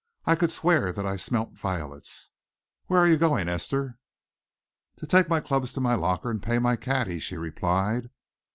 I could swear that I smelt violets. Where are you going, Esther?" "To take my clubs to my locker and pay my caddy," she replied.